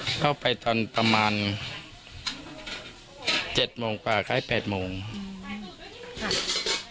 คือเข้าไปตอนประมาณ๗๐๐บาทกว่าเค้าไปปกติ๘๐๐บาท